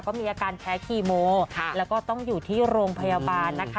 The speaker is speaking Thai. ก็มีอาการแพ้คีโมแล้วก็ต้องอยู่ที่โรงพยาบาลนะคะ